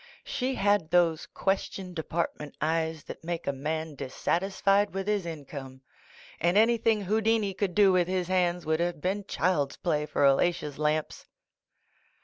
She had those question department eyes that make a man dissatisfied with his in come, and anything Houdini could do with his hands would have been child's play for Alatia's lamps.